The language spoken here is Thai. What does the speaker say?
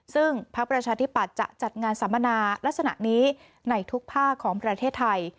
ซึ่งพักประชาธิปัตย์จะจัดงานสัมมนาลักษณะนี้ในทุกภาคของประเทศไทย